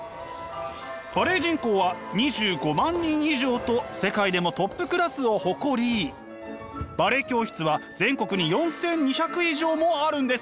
バレエ人口は２５万人以上と世界でもトップクラスを誇りバレエ教室は全国に４，２００以上もあるんです。